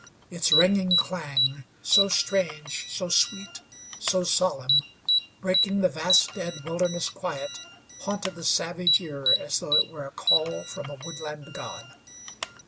Its ringing clang, so strange, so sweet, so solemn, breaking the vast dead wilderness quiet, haunted the savage ear as though it were a call from a woodland god.